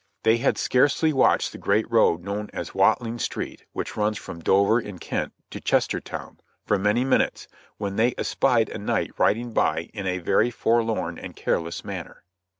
They had scarcely watched the great highroad known to all as Watling Street (and which runs from Dover in Kent to Chester town) for many minutes, when they espied a knight riding by in a very forlorn and careless manner.